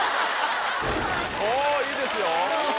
おいいですよ。